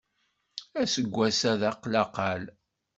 Aseggas-a d aqlaqal.